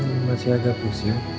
andin kan masih agak usia